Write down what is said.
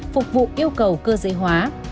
phục vụ yêu cầu cơ dễ hóa